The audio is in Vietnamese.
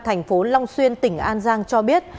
thành phố long xuyên tỉnh an giang cho biết